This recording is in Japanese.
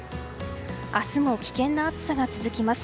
明日も危険な暑さが続きます。